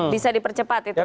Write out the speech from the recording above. bisa dipercepat itu katanya